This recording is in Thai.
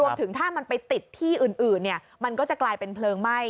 ถึงถ้ามันไปติดที่อื่นมันก็จะกลายเป็นเพลิงไหม้